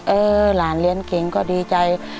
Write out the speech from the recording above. หลานเรียนเก่งก็ดีใจ